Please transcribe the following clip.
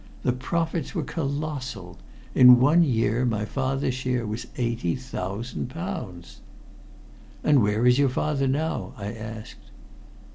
The profits were colossal. In one year my father's share was eighty thousand pounds." "And where is your father now?" I asked.